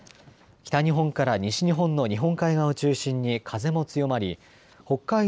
北日本から西日本の日本海側を中心に風も強まり北海道